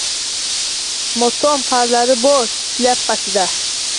Motam parlari bor shlyapasida